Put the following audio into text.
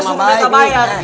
dia suruh nona bayar